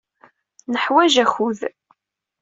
Neḥwaj akud.